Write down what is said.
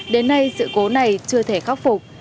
đến nay sự cố này chưa thể khắc phục